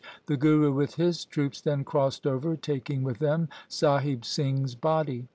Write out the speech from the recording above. The Guru with his troops then crossed over taking with them Sahib Singh's body.